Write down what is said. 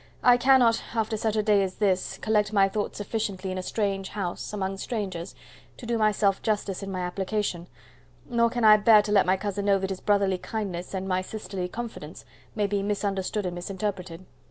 I cannot, after such a day as this, collect my thoughts sufficiently in a strange house, among strangers, to do myself justice in my application, nor can I bear to let my cousin know that his brotherly kindness, and my sisterly confidence, may be misunderstood and misinterpreted.